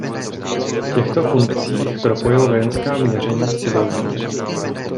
V těchto funkcích propojil vojenská měření s civilními.